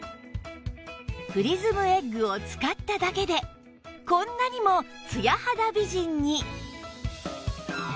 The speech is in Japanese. プリズムエッグを使っただけでこんなにもツヤ肌美人に！